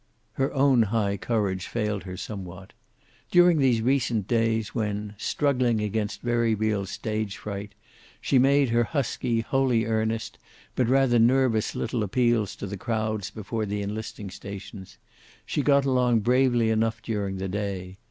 Her own high courage failed her somewhat. During these recent days when, struggling against very real stage fright, she made her husky, wholly earnest but rather nervous little appeals to the crowds before the enlisting stations, she got along bravely enough during the day.